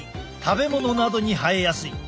食べ物などに生えやすい。